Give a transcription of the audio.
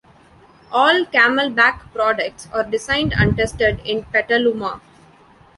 All CamelBak products are designed and tested in Petaluma.